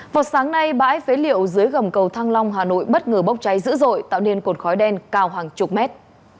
vào sáng nay bãi phế liệu dưới gầm cầu thăng long hà nội bất ngờ bốc cháy dữ dội tạo nên cột khói đen cao hàng chục mét